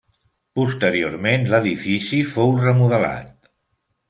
Posteriorment l'edifici fou remodelat.